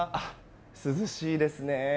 涼しいですね。